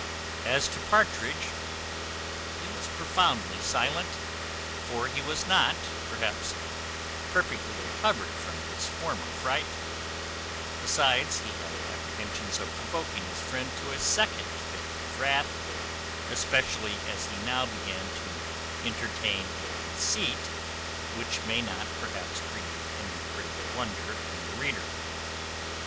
As to Partridge, he was profoundly silent; for he was not, perhaps, perfectly recovered from his former fright; besides, he had apprehensions of provoking his friend to a second fit of wrath, especially as he now began to entertain a conceit, which may not, perhaps, create any great wonder in the reader.